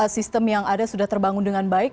sistem yang ada sudah terbangun dengan baik